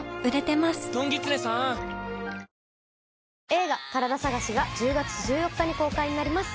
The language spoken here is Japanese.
映画、カラダ探しが１０月１４日に公開になります。